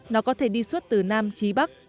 nó có thể đi suốt từ nam trí bắc